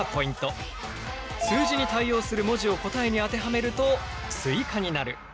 数字に対応する文字を答えに当てはめるとスイカになる！